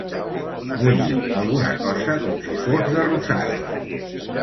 Mullin alguna cosa com si fos de rosada.